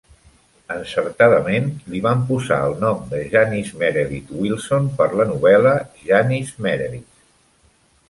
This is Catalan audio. Encertadament, li van posar el nom de Janice Meredith Wilson per la novel·la "Janice Meredith".